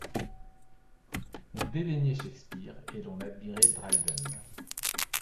On dédaignait Shakespeare et l’on admirait Dryden.